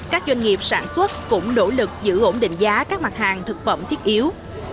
các doanh nghiệp sản xuất cũng nỗ lực giữ ổn định giá các mặt hàng thực phẩm thiết yếu